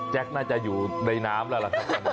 น่าจะอยู่ในน้ำแล้วล่ะครับ